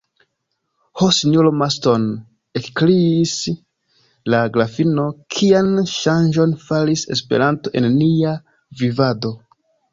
Ho, sinjoro Marston, ekkriis la grafino, kian ŝanĝon faris Esperanto en nia vivado!